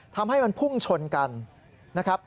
ทำให้มันพุ่งชนกันนะครับ